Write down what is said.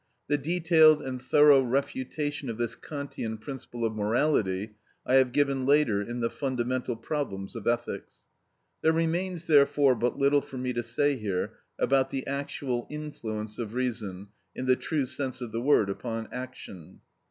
The detailed and thorough refutation of this Kantian principle of morality I have given later in the "Fundamental Problems of Ethics." There remains, therefore, but little for me to say here about the actual influence of reason, in the true sense of the word, upon action.